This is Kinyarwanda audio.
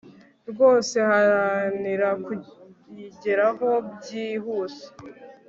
rwose haranira kuyigeraho byi huse